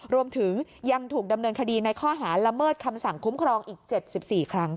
รวมถึงยังถูกดำเนินคดีในข้อหาละเมิดคำสั่งคุ้มครองอีก๗๔ครั้ง